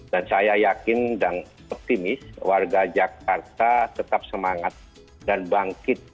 dan saya yakin dan optimis warga jakarta tetap semangat dan bangkit